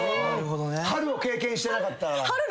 春を経験してなかった。